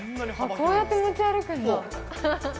こうやって持ち歩くんだ。